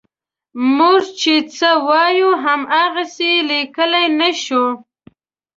موږ چې څه وایو هماغسې یې لیکلی نه شو.